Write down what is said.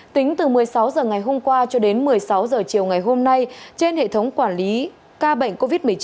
tính từ một mươi sáu h ngày hôm qua cho đến một mươi sáu h chiều ngày hôm nay trên hệ thống quản lý ca bệnh covid một mươi chín